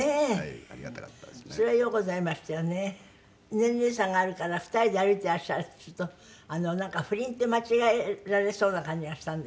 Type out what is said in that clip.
年齢差があるから２人で歩いていらっしゃると不倫って間違えられそうな感じがしたんですって？